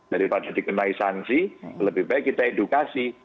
daripada dikenai sanksi lebih baik kita edukasi